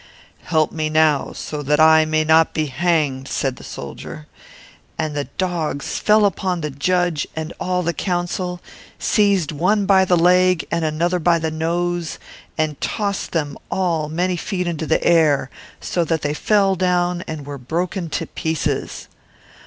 "Help me now, that I may not be hanged," cried the soldier. And the dogs fell upon the judges and all the councillors; seized one by the legs, and another by the nose, and tossed them many feet high in the air, so that they fell down and were dashed to pieces.